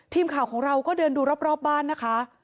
ทีมข่าวของเราก็เดินดูรอบบ้านนะคะ